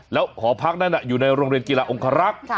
แล้วหอพักนั้นอยู่ในโรงเรียนกีฬาองคารักษ์